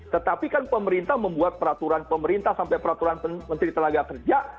tetapi kan pemerintah membuat peraturan pemerintah sampai peraturan menteri tenaga kerja